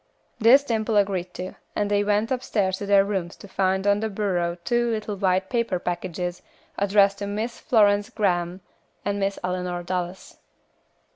This Dimple agreed to, and they went upstairs to their rooms to find on the bureau two little white paper packages addressed to "Miss Florence Graham," and "Miss Eleanor Dallas."